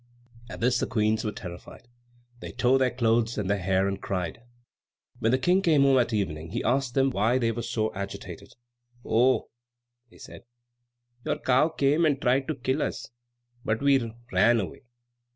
At this the Queens were terrified. They tore their clothes and their hair and cried. When the King came home at evening, he asked them why they were so agitated. "Oh," they said, "your cow came and tried to kill us; but we ran away.